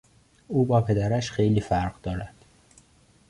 او با پدرش خیلی فرق دارد.